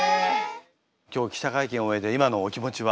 今日記者会見を終えて今のお気持ちは？